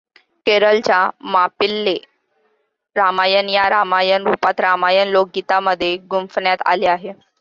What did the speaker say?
केरळच्या मापिळ्ळे रामायण या रामायण रूपात रामायण लोकगीतांमध्ये गुंफण्यात आले आहे.